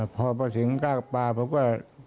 พอมาถึงกล้าปลาผมก็